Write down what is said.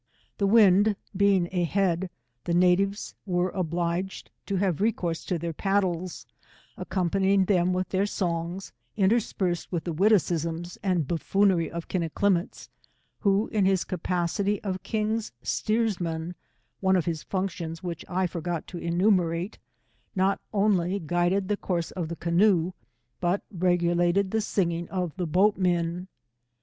The wind being a head, the natives were obliged to have recourse to their paddles, accompany ibg them with their songs, interspersed with the ^yitti cisms and buflfoonry of Kinneclimmets, who, in his capacity of king's steersman, one of his functions which I forgot to enumerate, not only guided the course of the canoe, but regulated the singing of the boatmen.